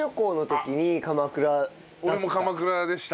俺も鎌倉でした。